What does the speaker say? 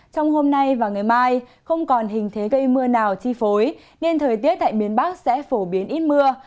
trong hôm nay và ngày mai không còn hình thế gây mưa nào chi phối nên thời tiết tại miền bắc sẽ phổ biến ít mưa